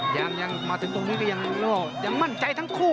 ยังยังมาถึงตรงนี้ก็ยังยังมั่นใจทั้งคู่อ่ะ